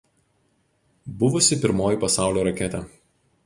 Buvusi pirmoji pasaulio raketė.